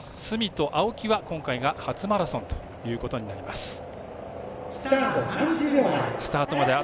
鷲見と青木は今回が初マラソンということになります。